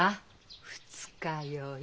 二日酔い。